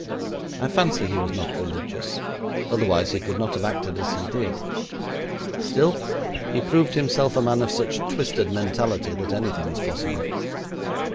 I fancy he was not religious, otherwise he could not have acted as he did. Still, he proved himself a man of such twisted mentality that anything is possible.'